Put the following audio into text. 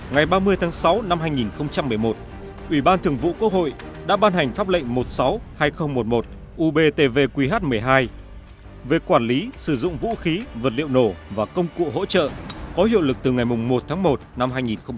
ngày ba mươi tháng sáu năm hai nghìn một mươi một ủy ban thường vụ quốc hội đã ban hành pháp lệnh một trăm sáu mươi hai nghìn một mươi một ubtv qh một mươi hai về quản lý sử dụng vũ khí vật liệu nổ và công cụ hỗ trợ có hiệu lực từ ngày một tháng một năm hai nghìn một mươi chín